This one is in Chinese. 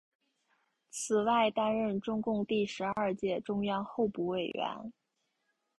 此外担任中共第十二届中央候补委员。